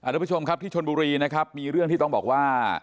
ทุกผู้ชมครับที่ชนบุรีนะครับมีเรื่องที่ต้องบอกว่า